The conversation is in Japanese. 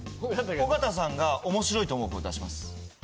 尾形さんが面白いと思う方出します。